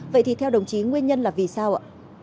vậy thì theo đồng chí nguyên nhân là vì sao ạ